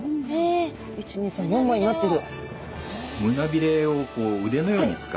１２３４枚になってる。